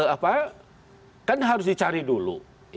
apa kan harus dicari dulu